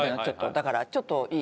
だからちょっと。